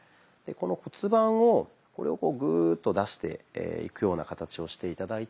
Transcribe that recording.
この骨盤をこうグーッと出していくような形をして頂いて。